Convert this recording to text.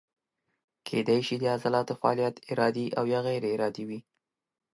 کیدای شي د عضلاتو فعالیت ارادي او یا غیر ارادي وي.